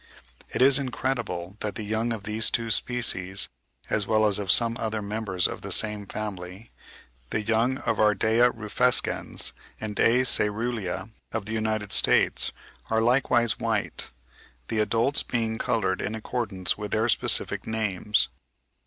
It is incredible that the young of these two species, as well as of some other members of the same family (56. The young of Ardea rufescens and A. caerulea of the United States are likewise white, the adults being coloured in accordance with their specific names.